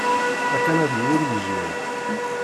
Akanadi ur yejriḥ.